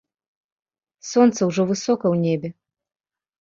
Сонца ўжо высока ў небе.